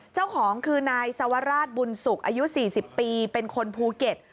เจ้าของคือนายสวราชบุญสุขอายุ๔๐ปีเป็นคนภูเก็ต